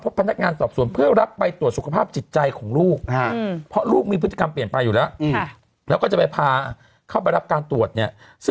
ฉันเป็นพิธีกรไม่ใช่พิธีเนอะเนี่ยไปเที่ยวกับแฟนเนี่ย